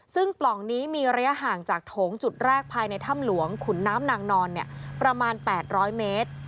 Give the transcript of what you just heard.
ซึ่งปล่องนี้มีระยะห่างจากโถงจุดแรกภายในถ้ำหลวงขุนน้ำนางนอนประมาณ๘๐๐เมตร